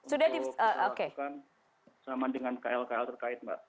untuk bisa lakukan sama dengan kl kl terkait mbak